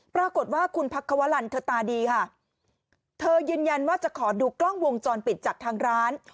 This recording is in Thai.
ปรากฏว่าคุณพักควรรณเธอตาดีค่ะเธอยืนยันว่าจะขอดูกล้องวงจรปิดจากทางร้าน